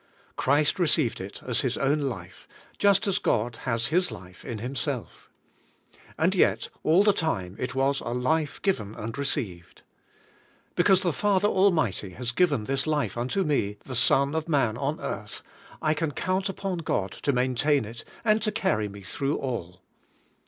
Christ received it as His own life, just as God has His life in Himself. And yet, all the time it was a life given and received. "Because the Father almighty has given this life unto me, the Son of man on earth, I can count upon God to maintain it and to carr}^ me through all.